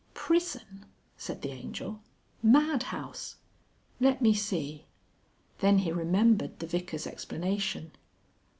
"Prison," said the Angel. "Madhouse! Let me see." Then he remembered the Vicar's explanation.